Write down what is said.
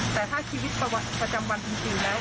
แต่ถ้าชีวิตประจำวันพื้นทรีย์แล้ว